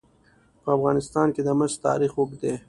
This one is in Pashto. په افغانستان کې د مس تاریخ اوږد دی.